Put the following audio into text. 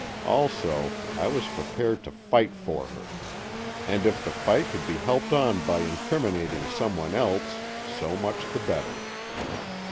Also, I was prepared to fight for her. And if the fight could be helped on by incriminating some one else, so much the better.